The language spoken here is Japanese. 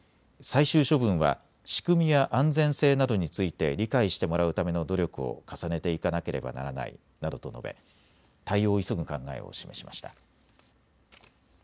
最終処分は仕組みや安全性などについて理解してもらうための努力を重ねていかなければならないなどと述べ、対応を急ぐ考えを示しました。